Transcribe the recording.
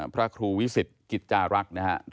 พระครูวิสิตกิจจารักษ์นะครับ